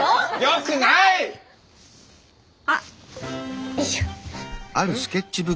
あ！よいしょ。